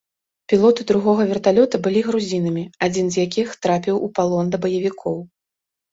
Пілоты другога верталёта былі грузінамі, адзін з якіх трапіў у палон да баевікоў.